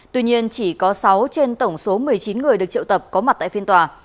tuy nhiên chỉ có sáu trên tổng số một mươi chín người được triệu tập có mặt tại phiên tòa